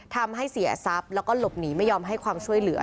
ทำให้เสียทรัพย์แล้วก็หลบหนีไม่ยอมให้ความช่วยเหลือ